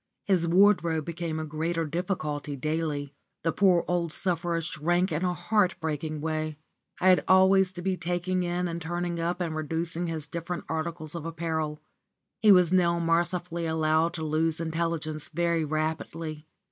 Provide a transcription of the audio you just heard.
His wardrobe became a greater difficulty daily. The poor old sufferer shrank in a heartbreaking way. I had always to be taking in and turning up and reducing his different articles of apparel. He was now mercifully allowed to lose intelligence very rapidly.